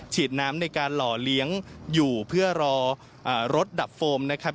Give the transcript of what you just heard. ฉีดน้ำในการหล่อเลี้ยงอยู่เพื่อรอรถดับโฟมนะครับ